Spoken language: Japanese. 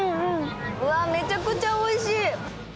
うわっ、めちゃくちゃおいしい。